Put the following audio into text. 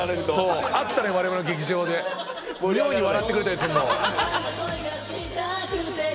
妙に笑ってくれたりすんの。